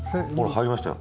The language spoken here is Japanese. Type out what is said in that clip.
入りましたよ。